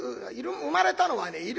生まれたのはね